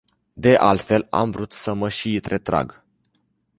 De altfel, am vrut să mă și retrag.